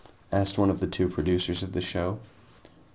asked one of the two producers of the show.